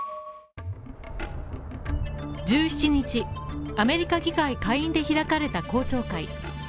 １７日、アメリカ議会下院で開かれた公聴会。